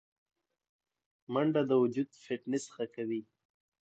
منډه د وجود فټنس ښه کوي